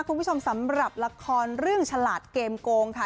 คุณผู้ชมสำหรับละครเรื่องฉลาดเกมโกงค่ะ